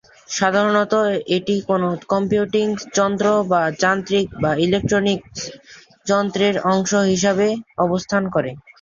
সাধারণত এটি কোন কম্পিউটিং যন্ত্র বা যান্ত্রিক বা ইলেকট্রনিক্স যন্ত্রের অংশ হিসাবে অবস্থান করে।